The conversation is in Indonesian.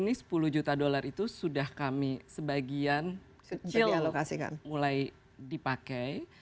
paling juga ini sepuluh juta dollar itu sudah kami sebagian kecil mulai dipakai